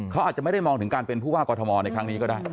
เขาอาจจะไม่ได้มองถึงการเป็นผู้ว่ากอทมในครั้งนี้ก็ได้